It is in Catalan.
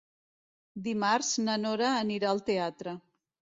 Dimarts na Nora anirà al teatre.